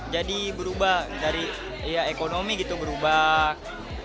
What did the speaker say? jadi berubah dari ekonomi gitu berubah